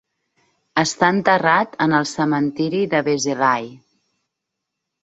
Està enterrat en el cementiri de Vézelay.